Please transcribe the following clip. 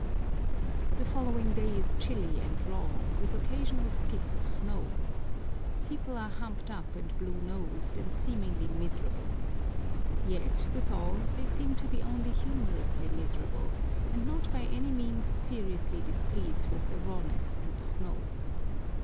The following day is chilly and raw, with occasional skits of snow. People are humped up and blue nosed, and seemingly miserable. Yet, withal, they seem to be only humorously miserable, and not by any means seriously displeased with the rawness and the snow.